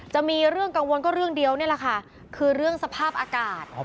จะมีเรื่องกังวลก็เรื่องเดียวนี่แหละค่ะคือเรื่องสภาพอากาศ